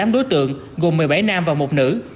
một mươi tám đối tượng gồm một mươi bảy nam và một nữ